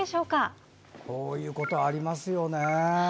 こういうことありますよね。